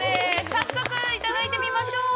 早速いただいてみましょう。